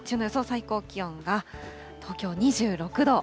最高気温が、東京２６度。